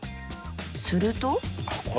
すると。